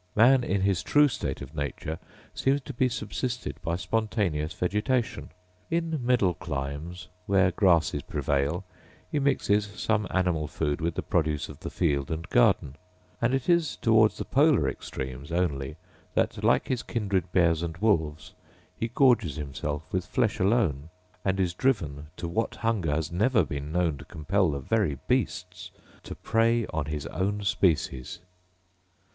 Man, in his true state of nature, seems to be subsisted by spontaneous vegetation: in middle climes, where grasses prevail, he mixes some animal food with the produce of the field and garden: and it is towards the polar extremes only that, like his kindred bears and wolves, he gorges himself with flesh alone, and is driven, to what hunger has never been known to compel the very beasts, to prey on his own species.* * See the late Voyages to the South seas.